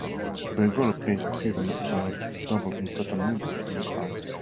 Bergolla played the season at Double-A Chattanooga Lookouts.